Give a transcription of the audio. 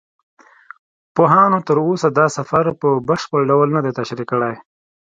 پوهانو تر اوسه دا سفر په بشپړ ډول نه دی تشریح کړی.